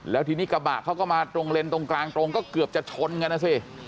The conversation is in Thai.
แล้วทีนี้กระบะเขาก็มาตรงเลนส์ตรงกลางตรงก็เกือบจะชนกันนะสิ